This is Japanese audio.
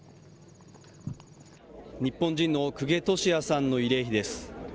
日本人の久下季哉さんの慰霊碑です。